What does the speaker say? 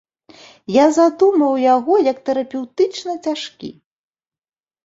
Я задумваў яго як тэрапеўтычна цяжкі.